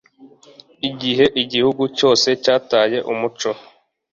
Igihe igihugu cyose cyataye umuco